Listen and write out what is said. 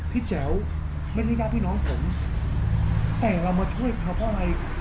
แจ๋วไม่ใช่ญาติพี่น้องผมแต่เรามาช่วยเขาเพราะอะไร